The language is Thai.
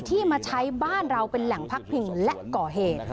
มาใช้บ้านเราเป็นแหล่งพักพิงและก่อเหตุ